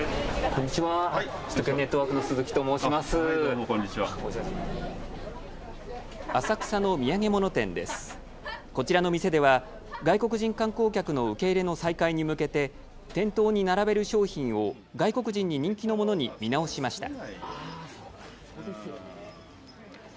こちらの店では外国人観光客の受け入れの再開に向けて店頭に並べる商品を外国人に人気のものに見直しました。